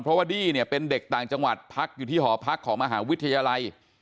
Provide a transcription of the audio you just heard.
เพราะว่าดี้เนี่ยเป็นเด็กต่างจังหวัดพักอยู่ที่หอพักของมหาวิทยาลัย